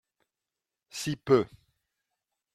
Si peu